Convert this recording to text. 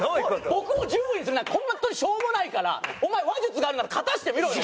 僕を１０位にするなんて本当にしょうもないからお前話術があるなら勝たせてみろよ！